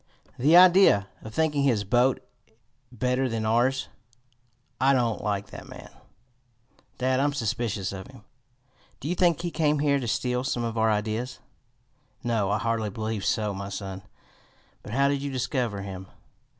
"The idea of thinking his boat better than ours! I don't like that man, dad. I'm suspicious of him. Do you think he came here to steal some of our ideas?" "No, I hardly believe so, my son. But how did you discover him?"